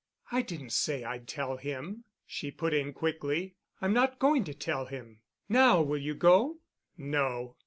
"I didn't say I'd tell him," she put in quickly. "I'm not going to tell him. Now will you go?" "No."